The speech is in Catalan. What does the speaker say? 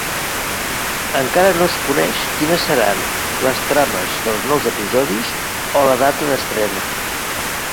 Encara no es coneix quines seran les trames dels nous episodis o la data d'estrena.